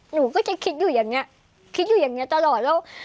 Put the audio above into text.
หนูก็จะคิดอยู่อย่างเงี้ยคิดอยู่อย่างเงี้ยตลอดแล้ว